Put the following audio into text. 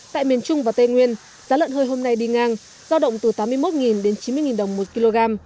tại miền trung và tây nguyên giá lợn hơi hôm nay đi ngang giao động từ tám mươi một đến chín mươi đồng một kg